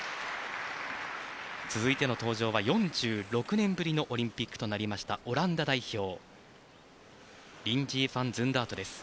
続いては４６年ぶりのオリンピックとなったオランダ代表リンジー・ファン・ズンダート。